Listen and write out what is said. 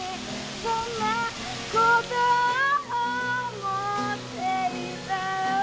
「そんなことを思っていたような」